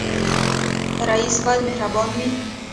رئیس باید مهربان وي